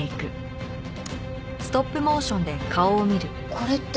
これって。